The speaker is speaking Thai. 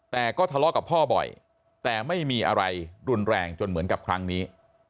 แต่ก็ทะเลาะกับพ่อบ่อยแต่ไม่มีอะไรรุนแรงจนเหมือนกับครั้งนี้